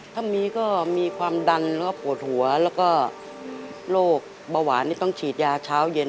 ถ้ามีก็มีความดันแล้วก็ปวดหัวแล้วก็โรคเบาหวานต้องฉีดยาเช้าเย็น